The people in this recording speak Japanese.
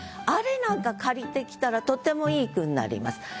あれなんか借りてきたらとてもいい句になります。